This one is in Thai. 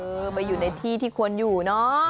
ไปอยู่ในที่ที่ควรอยู่เนอะ